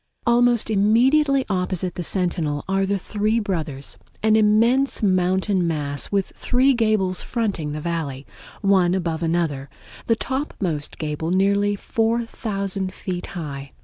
Almost immediately opposite the Sentinel are the Three Brothers, an immense mountain mass with three gables fronting the Valley, one above another, the topmost gable nearly 4000 feet high.